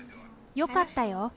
よかったよ。